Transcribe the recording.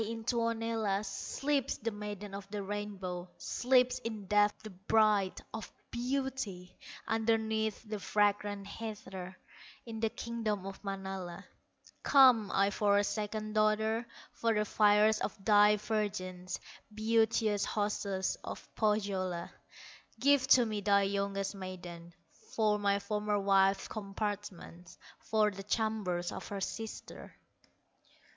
in Tuonela Sleeps the Maiden of the Rainbow, Sleeps in death the Bride of Beauty, Underneath the fragrant heather, In the kingdom of Manala. Come I for a second daughter, For the fairest of thy virgins. Beauteous hostess of Pohyola, Give to me thy youngest maiden, For my former wife's compartments, For the chambers of her sister."